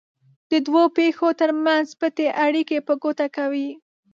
د دوو پېښو ترمنځ پټې اړیکې په ګوته کوي.